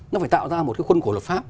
nó phải tạo ra một cái khuân cổ luật pháp